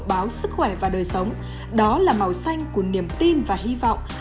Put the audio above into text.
báo sức khỏe và đời sống đó là màu xanh của niềm tin và hy vọng